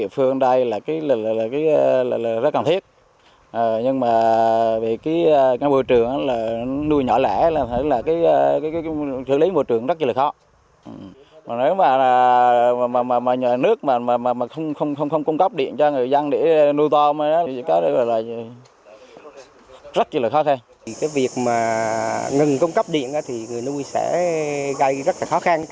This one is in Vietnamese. việc ngừng cung cấp điện thì người nuôi sẽ gây rất khó khăn